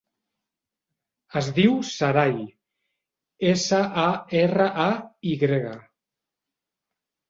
Es diu Saray: essa, a, erra, a, i grega.